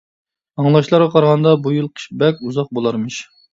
-ئاڭلاشلارغا قارىغاندا بۇ يىل قىش بەك ئۇزاق بولارمىش.